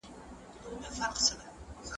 سیاست پوه شه.